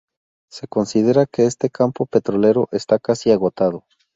Se considera que este campo petrolero está casi agotado.